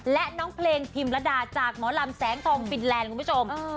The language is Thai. และน้องเพลงพิมระดาจากหมอลำแสงทองฟินแลนด์คุณผู้ชม